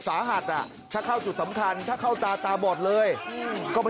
สาหัสอ่ะถ้าเข้าจุดสำคัญถ้าเข้าตาตาบอดเลยก็ไม่